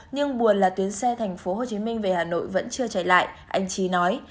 nhưng buồn là tuyến xe tp hcm về hà nội vẫn chưa chạy lại anh trí nói